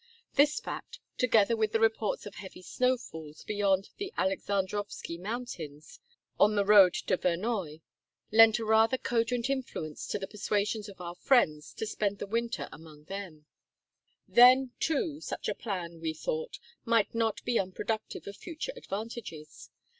This fact, together with the reports of heavy snowfalls beyond the Alexandrovski mountains, on the road to Vernoye, lent a rather cogent influence to the persuasions of our friends to spend the winter among them. A RELIGIOUS DRAMA IN SAMARKAND. Then, too, such a plan, we thought, might not be unproductive of future advantages.